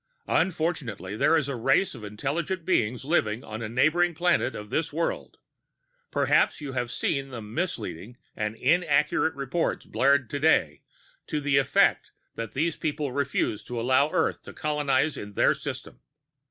"Unfortunately, there is a race of intelligent beings living on a neighboring planet of this world. Perhaps you have seen the misleading and inaccurate reports blared today to the effect that these people refuse to allow Earth to colonize in their system.